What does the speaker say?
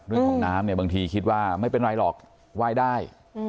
เรื่องของน้ำเนี่ยบางทีคิดว่าไม่เป็นไรหรอกไหว้ได้